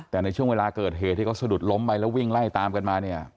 แต่ในช่วงเวลาเกิดเหตุที่เขาสะดุดล้มไปแล้ววิ่งไล่ตามกันมาเนี่ย